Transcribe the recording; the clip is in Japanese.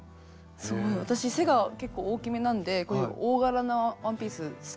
すごい私背が結構大きめなんでこういう大柄なワンピースうんうん。